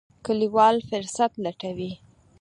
کلیوال فرصت لټوي.